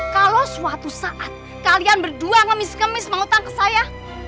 kalau suatu saat kalian berdua ngemis ngemis mengutang ke saya